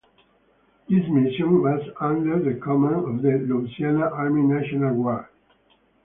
This mission was under the command of the Louisiana Army National Guard.